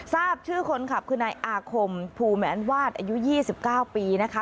ทราบชื่อคนขับคือนายอาคมภูแมนวาดอายุ๒๙ปีนะคะ